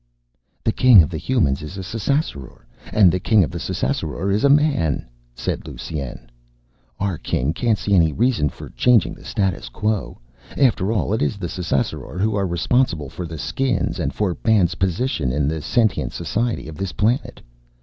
"The King of the Humans is a Ssassaror and the King of the Ssassaror is a Man," said Lusine. "Our King can't see any reason for changing the status quo. After all, it is the Ssassaror who are responsible for the Skins and for Man's position in the sentient society of this planet.